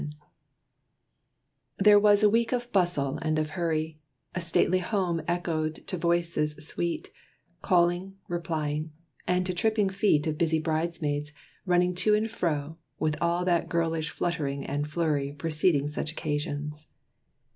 _ There was a week of bustle and of hurry; A stately home echoed to voices sweet, Calling, replying; and to tripping feet Of busy bridesmaids, running to and fro, With all that girlish fluttering and flurry Preceding such occasions.